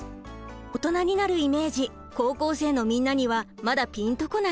オトナになるイメージ高校生のみんなにはまだピンとこない？